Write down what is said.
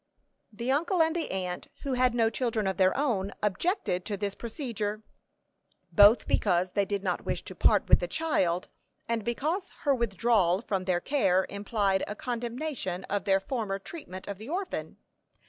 The uncle and the aunt, who had no children of their own, objected to this procedure, both because they did not wish to part with the child, and because her withdrawal from their care implied a condemnation of their former treatment of the orphan.